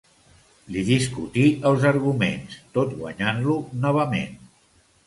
Li discutí els arguments, tot guanyant-lo novament.